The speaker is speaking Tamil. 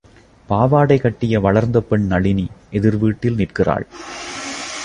பாவாடைகட்டிய வளர்ந்த பெண் நளினி, எதிர்வீட்டில் நிற்கிறாள்.